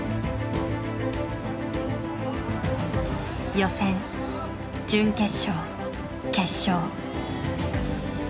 予選準決勝決勝。